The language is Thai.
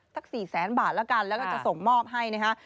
๔แสนบาทแล้วกันแล้วก็จะส่งมอบให้นะฮะ